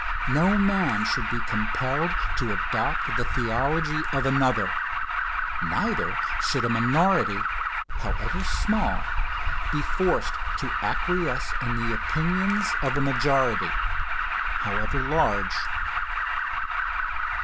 No man should be compelled to adopt the theology of another; neither should a minority, however small, be forced to acquiesce in the opinions of a majority, however large.